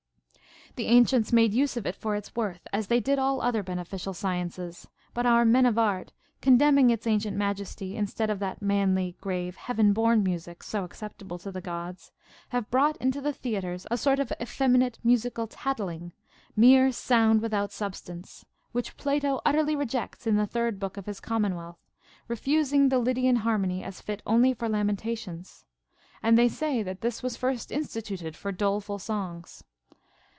15. The ancients made use of it for its worth, as they did all other beneficial sciences. But our men of art, con temning its ancient majesty, instead of that manly, grave, heaven born music, so acceptable to the Gods, have brought into the theatres a sort of effeminate musical tattling, mere sound without substance ; which Plato utterly rejects in the third book of his commonwealth, refusing the Lydian har mony as fit only for lamentations. And they say that this was first instituted for doleful songs.